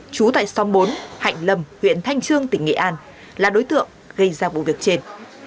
trú tại xóm bốn hạnh lâm huyện thanh trương tỉnh nghệ an là đối tượng gây ra vụ việc trên